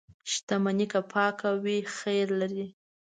• شتمني که پاکه وي، خیر لري.